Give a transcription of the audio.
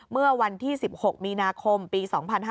เมื่อวันที่๑๖มีนาคมปี๒๕๕๙